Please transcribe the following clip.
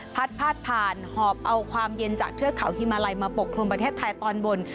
พาดผ่านหอบเอาความเย็นจากเทือกเขาฮิมาลัยมาปกคลุมประเทศไทยตอนบน